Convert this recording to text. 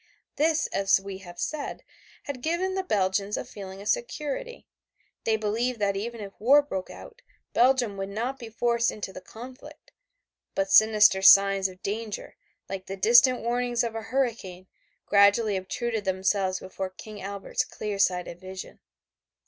This, as we have said, had given the Belgians a feeling of security. They believed that even if war broke out, Belgium would not be forced into the conflict, but sinister signs of danger, like the distant warnings of a hurricane, gradually obtruded themselves before King Albert's clear sighted vision.